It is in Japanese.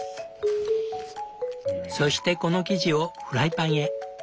そしてこの生地をフライパンへ。